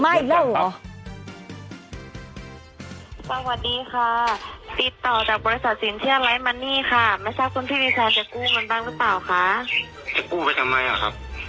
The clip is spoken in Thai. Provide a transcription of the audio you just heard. ไม่ได้บอกว่าทำบลค่ะคือคนตายแล้วนะคะ